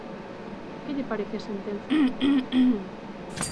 Que lle parece a sentenza?